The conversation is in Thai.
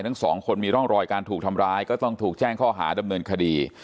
ทั้งสองคนมีร่องรอยการถูกทำร้ายก็ต้องถูกแจ้งข้อหาดำเนินคดี